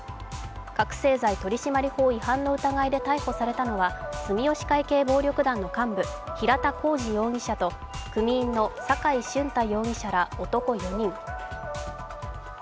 覚醒剤取締法違反の疑いで逮捕されたのは住吉会系暴力団の幹部平田弘二容疑者と組員の坂井俊太容疑者ら男４人。